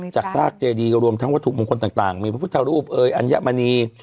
จากศาสตร์เจดีกับรวมทั้งวัตถุมงคลต่างมีพระพุทธธรรมอุปเอยอันยะมณี